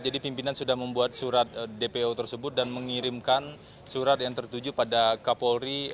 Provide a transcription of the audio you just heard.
pimpinan sudah membuat surat dpo tersebut dan mengirimkan surat yang tertuju pada kapolri